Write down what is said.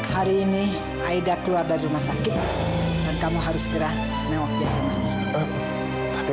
hari ini aida keluar dari rumah sakit dan kamu harus segera mewakili tapi